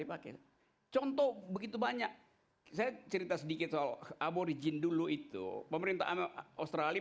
dipakai contoh begitu banyak saya cerita sedikit soal aborigin dulu itu pemerintahan australia